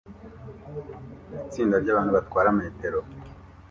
Itsinda ryabantu batwara metero